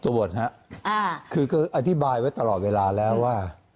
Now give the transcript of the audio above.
ตรวจฮะคือก็อธิบายไว้ตลอดเวลาแล้วว่า